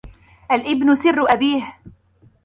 الإبن سر أبيه